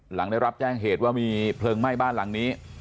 หลังได้รับแจ้งเหตุว่ามีเพลิงไหม้บ้านหลังนี้